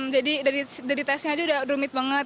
jadi dari testnya aja udah rumit banget